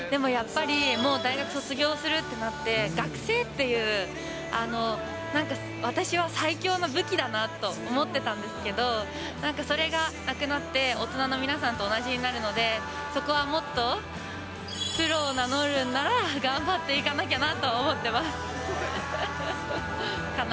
でもやっぱり、もう大学卒業するってなって、学生っていう、なんか私は最強の武器だなと思ってたんですけど、なんかそれがなくなって、大人の皆さんと同じになるので、そこはもっとプロを名乗るんなら、頑張っていかなきゃなと思ってます。